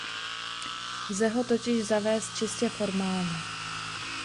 Lze ho totiž zavést čistě formálně.